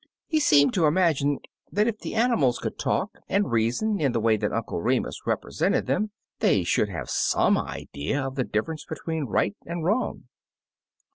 He seemed to imagine that if the animals could talk and reason in the way that Uncle Remus represented them, they should have some idea of the differ ence between right and wrong.